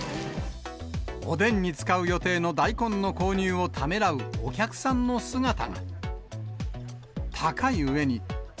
おでんに使う予定の大根の購入をためらうお客さんの姿が。